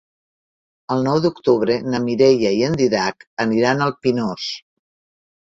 El nou d'octubre na Mireia i en Dídac aniran al Pinós.